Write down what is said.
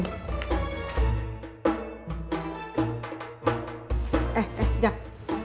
eh eh jap